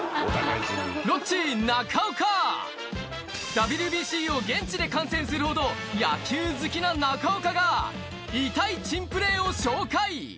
ＷＢＣを現地で観戦するほど野球好きな中岡がを紹介